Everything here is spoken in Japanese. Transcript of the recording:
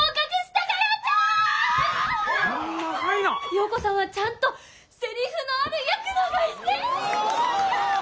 洋子さんはちゃんとセリフのある役ながいぜ！